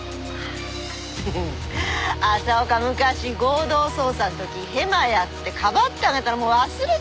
フフフ朝岡昔合同捜査の時ヘマやってかばってあげたのもう忘れちゃったんだ。